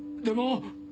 でも。